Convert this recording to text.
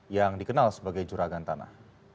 yang dikenal sebagai juragan tanah